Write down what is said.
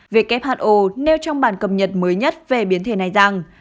who nêu trong bản cập nhật mới nhất về biến thể này rằng